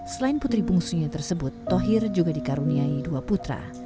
selain putri bungsunya tersebut thohir juga dikaruniai dua putra